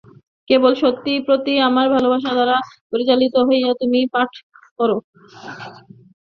কেবল সত্যের প্রতি তোমার ভালবাসা দ্বারা পরিচালিত হইয়া তুমি পাঠ কর।